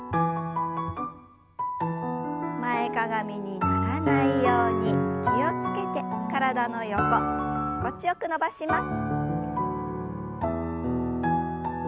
前かがみにならないように気を付けて体の横心地よく伸ばします。